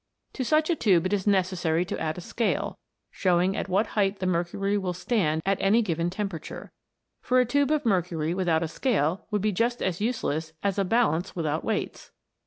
To such a tube it is necessary to add a scale, showing at what height the mercury will stand at any given temperature, for a tube of mercury without a scale would be just as useless as a balance without weights.